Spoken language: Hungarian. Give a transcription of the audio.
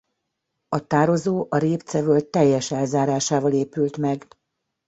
A tározó a Répce völgy teljes elzárásával épült meg.